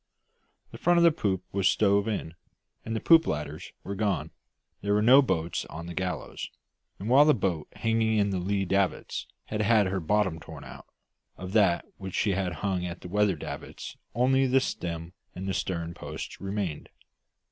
The front of the poop was stove in, and the poop ladders were gone; there were no boats on the gallows; and while the boat hanging in the lee davits had had her bottom torn out, of that which had hung at the weather davits only the stem and stern posts remained.